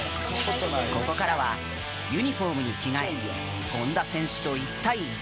ここからはユニホームに着替え権田選手と１対１。